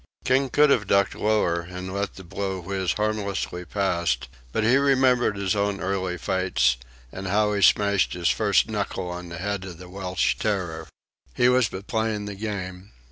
King could have ducked lower and let the blow whiz harmlessly past, but he remembered his own early fights and how he smashed his first knuckle on the head of the Welsh Terror. He was but playing the game.